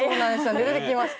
出てきました。